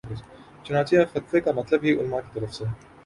چنانچہ اب فتوے کا مطلب ہی علما کی طرف سے